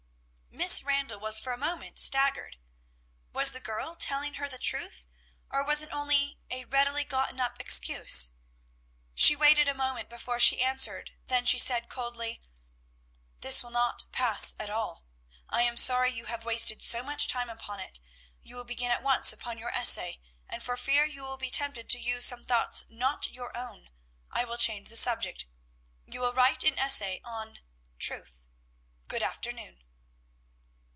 Miss Randall was for a moment staggered. Was the girl telling her the truth, or was it only a readily gotten up excuse? She waited a moment before she answered, then she said coldly, "This will not pass at all. I am sorry you have wasted so much time upon it; you will begin at once upon your essay, and, for fear you will be tempted to use some thoughts not your own, I will change the subject. You will write an essay on 'Truth.' Good afternoon."